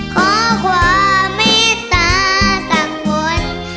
ขอขวะในตาสักวัน